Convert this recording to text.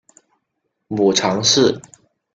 母常氏。